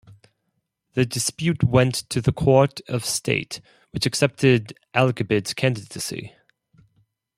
The dispute went to the Court of State, which accepted Algabid's candidacy.